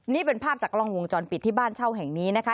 นี่เป็นภาพจากกล้องวงจรปิดที่บ้านเช่าแห่งนี้นะคะ